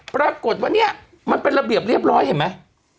ปรากฏว่าเนี่ยมันเป็นระเบียบเรียบร้อยเห็นไหม